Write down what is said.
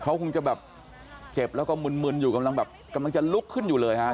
เขาคงจะแบบเจ็บแล้วก็มึนอยู่กำลังแบบกำลังจะลุกขึ้นอยู่เลยฮะ